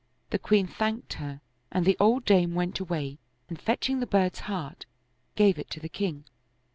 The queen thanked her and the old dame went away and fetching the bird's heart, gave it to the king.